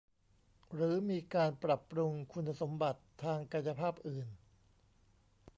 หรือมีการปรับปรุงคุณสมบัติทางกายภาพอื่น